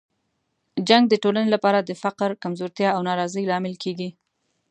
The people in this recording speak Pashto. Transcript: جنګ د ټولنې لپاره د فقر، کمزورتیا او ناراضۍ لامل کیږي.